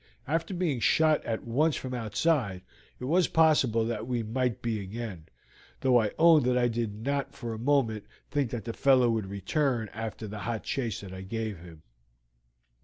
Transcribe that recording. After being shot at once from outside, it was possible that we might be again; though I own that I did not for a moment think that the fellow would return after the hot chase that I gave him.